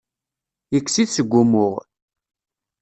Yekkes-it seg wumuɣ.